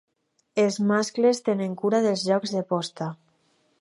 Els mascles tenen cura dels llocs de posta.